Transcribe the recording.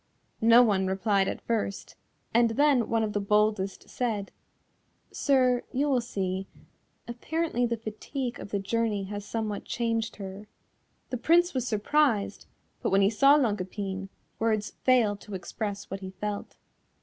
No one replied at first, and then one of the boldest said, "Sir, you will see; apparently the fatigue of the journey has somewhat changed her." The Prince was surprised, but when he saw Longue Epine words fail to express what he felt.